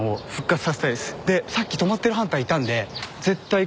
さっき止まってるハンターいたんで。